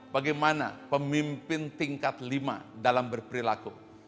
bagaimana pemimpin tingkat lima dalam berperilaku